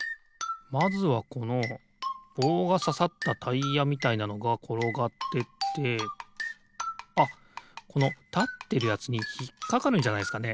まずはこのぼうがささったタイヤみたいなのがころがってってあっこのたってるやつにひっかかるんじゃないすかね？